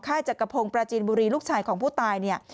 ไข้จักรพงศ์ประจีนบุรีลูกชายของผู้ตาย